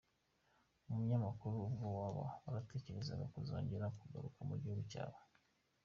Umunyamakuru: Ubwo waba waratekerezaga kuzongera kugaruka mu gihugu cyawe?.